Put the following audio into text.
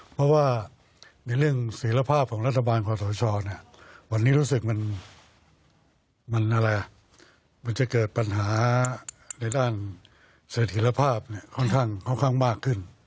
เพราะว่าในเรื่องศิลภาพของรัฐบาลคอสชวันนี้รู้สึกมันอะไรมันจะเกิดปัญหาในด้านเสถียรภาพค่อนข้างมากขึ้น